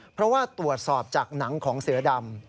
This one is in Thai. เพราะว่าตรวจสอบจากหนังของเสือดำ